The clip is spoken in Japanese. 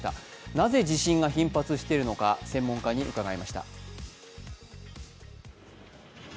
なぜ地震が頻発しているのか専門家に伺いました。